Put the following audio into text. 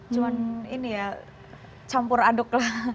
cuma ini ya campur aduk lah